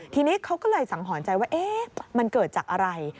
ทีนี้เขาก็เลยสังหรณ์ใจว่ามันเกิดจากอะไร